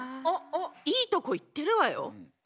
おっおっいいとこいってるわよ。